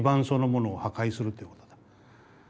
そのものを破壊するっていうことだ。